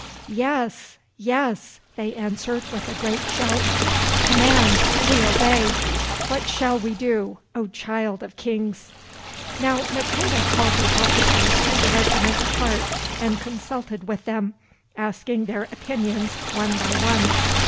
"Yes, yes," they answered with a great shout. "Command and we obey. What shall we do, O Child of Kings?" Now Maqueda called the officers of the regiment apart and consulted with them, asking their opinions, one by one.